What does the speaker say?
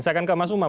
saya akan ke mas umam